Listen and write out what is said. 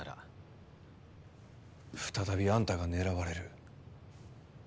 再びあんたが狙われる。